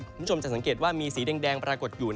คุณผู้ชมจะสังเกตว่ามีสีแดงปรากฏอยู่